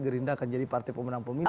gerindra akan jadi partai pemenang pemilu